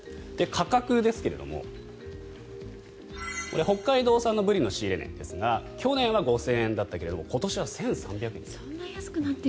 価格ですが北海道産のブリの仕入れ値ですが去年は５０００円だったけど今年は１３００円。